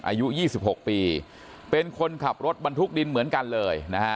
อายุ๒๖ปีเป็นคนขับรถบรรทุกดินเหมือนกันเลยนะฮะ